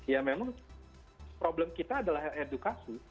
ya memang problem kita adalah edukasi